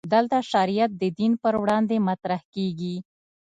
دلته شریعت د دین پر وړاندې مطرح کېږي.